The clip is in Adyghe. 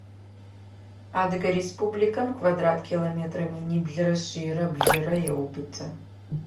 Адыгэ Республикэм квадрат километрэ миныблырэ шъийрэ блырэ еубыты.